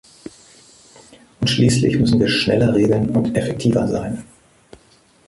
Und schließlich müssen wir schneller regeln und effektiver sein.